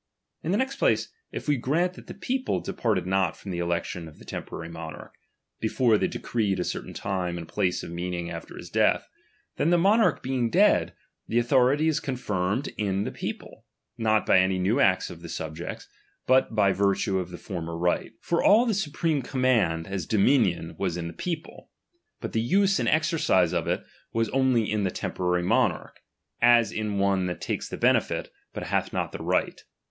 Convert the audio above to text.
In the next place, if we grant that the .^aeople departed not from the election of the tem ^Mrary monarch^before they decreed a certain time ^nd place of meeting after his death ; then the >iionarch being dead, the authority is confirmed in the people, not by any new acts of the subjects, ^ut by virtue of the former right. For all the su , preme command, as dominion, was in the people; but the use and exercise of it was only in the temporary monarch, as in one that takes the benefit, but hath not the right.